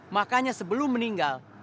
makanya sebelum meninggal